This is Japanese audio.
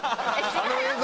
あの映像？